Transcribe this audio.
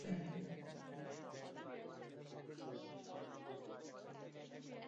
এই প্রথা প্রবাহরূপে চলে আসছে।